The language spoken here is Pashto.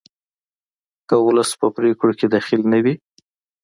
که ولس په پریکړو کې دخیل نه وي